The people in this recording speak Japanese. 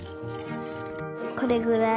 これぐらい？